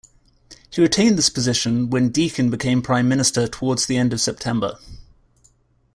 He retained this position when Deakin became Prime Minister towards the end of September.